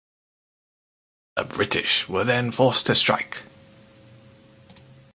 The British were then forced to strike.